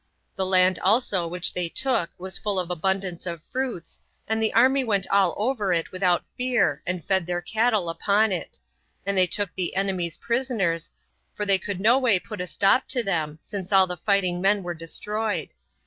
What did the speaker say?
The land also which they took was full of abundance of fruits, and the army went all over it without fear, and fed their cattle upon it; and they took the enemies prisoners, for they could no way put a stop to them, since all the fighting men were destroyed.